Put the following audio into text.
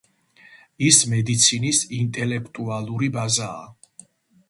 ის მედიცინის ინტელექტუალური ბაზაა.